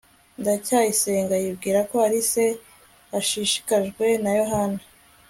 ndacyayisenga yibwira ko alice ashishikajwe na yohana